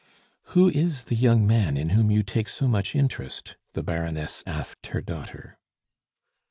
"Who is the young man in whom you take so much interest?" the Baroness asked her daughter.